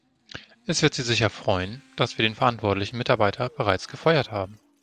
Es wird Sie sicher freuen, dass wir den verantwortlichen Mitarbeiter bereits gefeuert haben.